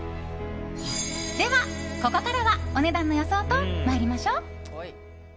では、ここからはお値段の予想と参りましょう。